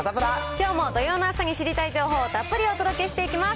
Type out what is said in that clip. きょうも土曜の朝に知りたい情報をたっぷりお届けしていきます。